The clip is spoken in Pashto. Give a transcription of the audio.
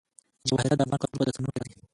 جواهرات د افغان کلتور په داستانونو کې راځي.